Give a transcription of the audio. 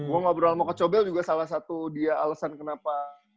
gue gak pernah ngomong ke coach sobel juga salah satu dia alasan kenapa